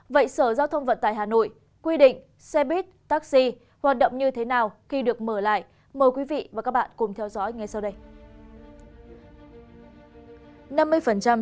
vậy sở giao thông vận tải hà nội quy định xe buýt taxi hoạt động như thế nào khi được mở lại mời quý vị và các bạn cùng theo dõi ngay sau đây